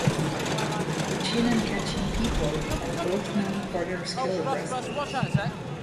The Chin and Kachin people are both known for their skilled wrestlers.